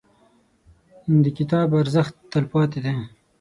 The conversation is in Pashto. • د کتاب ارزښت، تلپاتې دی.